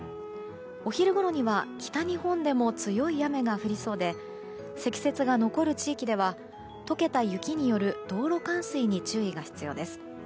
お昼ごろには北日本でも強い雨が降りそうで積雪が残る地域では解けた雪による道路冠水に注意が必要です。